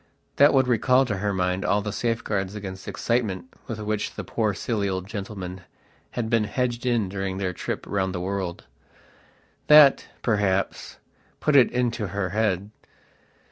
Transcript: That would recall to her mind all the safeguards against excitement with which the poor silly old gentleman had been hedged in during their trip round the world. That, perhaps, put it into her head.